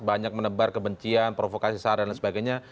banyak menebar kebencian provokasi saran dan sebagainya